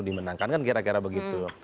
dimenangkan kan kira kira begitu